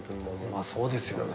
まあそうですよね。